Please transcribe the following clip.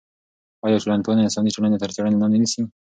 آیا ټولنپوهنه انساني ټولنې تر څېړنې لاندې نیسي؟